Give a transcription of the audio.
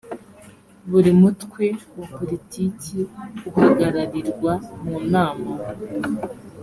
buri mutwe wa politiki uhagararirwa mu nama